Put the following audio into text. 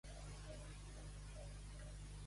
El cognom és Minaya: ema, i, ena, a, i grega, a.